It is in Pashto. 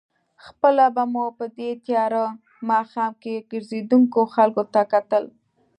خپله به مو په دې تېاره ماښام کې ګرځېدونکو خلکو ته کتل.